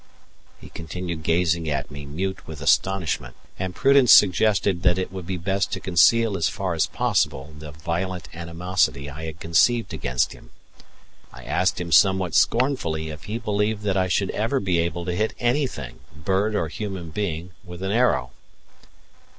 He continued gazing at me mute with astonishment, and prudence suggested that it would be best to conceal as far as possible the violent animosity I had conceived against him. I asked him somewhat scornfully if he believed that I should ever be able to hit anything bird or human being with an arrow.